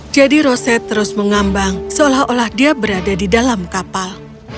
jadi roset terus mengambang seolah olah dia berada di dalam kapal